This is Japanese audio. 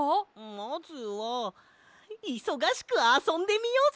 まずはいそがしくあそんでみようぜ。